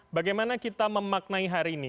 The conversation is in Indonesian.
bagaimana kita memaknai hari ini